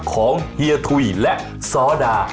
ของเฮียทุยและซ่อด่า